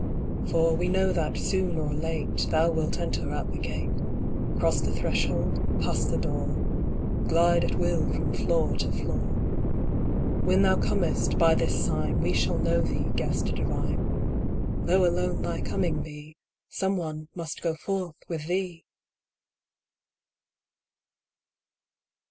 For we know that, soon or late, Thou wilt enter at the gate, Cross the threshold, pass the door, Glide at will from floor to floor. When thou comest, by this sign We shall know thee. Guest divine : Though alone thy coming be, Someone must go forth with thee